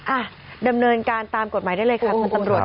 อ่ะดำเนินการตามกฎหมายได้เลยค่ะคุณตำรวจ